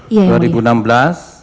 iya yang mulia